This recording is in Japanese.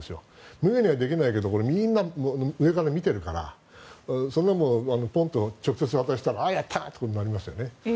無下にできないけどみんな上から見てるからそんなものをポンと直接渡したらやったとなりますよね。